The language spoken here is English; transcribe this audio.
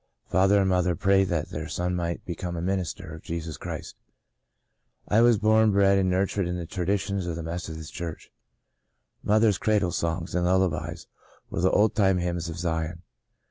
Father and mother prayed that their son might become a minister of Jesus Christ. I was born, bred and nurtured in the tradi tions of the Methodist Church. Mother's cradle songs and lullabies were the old time hymns of Zion.